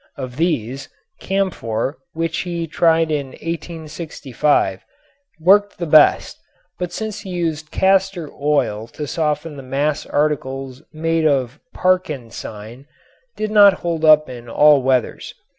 Of these, camphor, which he tried in 1865, worked the best, but since he used castor oil to soften the mass articles made of "parkesine" did not hold up in all weathers.